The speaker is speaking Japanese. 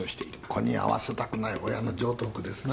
子に会わせたくない親の常とう句ですな。